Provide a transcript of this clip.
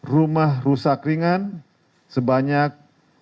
rumah rusak ringan sebanyak sebelas dua ratus tiga